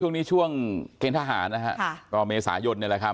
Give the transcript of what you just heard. วันนี้ช่วงเคฟทหารนะคะค่ะก็เมสายนเนี่ยแหละครับ